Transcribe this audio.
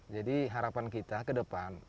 jadi harapan kita kedepan